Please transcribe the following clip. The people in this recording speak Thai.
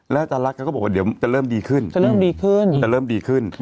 อาจารย์รักเขาก็บอกว่าเดี๋ยวจะเริ่มดีขึ้นจะเริ่มดีขึ้นจะเริ่มดีขึ้น